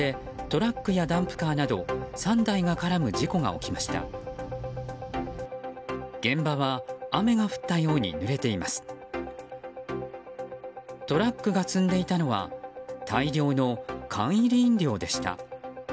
トラックが積んでいたのは大量の缶入り飲料でした。